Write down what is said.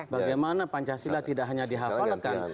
bagaimana pancasila tidak hanya dihafalkan